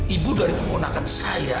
ibu dari keponakan saya